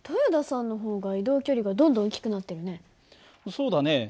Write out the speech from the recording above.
そうだね。